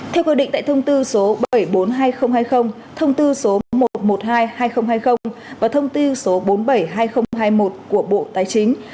theo quy định tại thông tư số bảy trăm bốn mươi hai nghìn hai mươi thông tư số một trăm một mươi hai hai nghìn hai mươi và thông tư số bốn trăm bảy mươi hai nghìn hai mươi một của bộ tài chính